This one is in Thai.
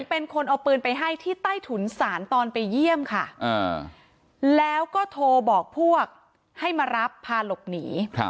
เป็นคนเอาปืนไปให้ที่ใต้ถุนศาลตอนไปเยี่ยมค่ะแล้วก็โทรบอกพวกให้มารับพาหลบหนี